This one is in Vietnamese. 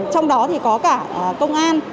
trong đó thì có cả công an